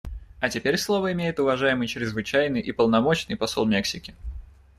А теперь слово имеет уважаемый Чрезвычайный и Полномочный Посол Мексики.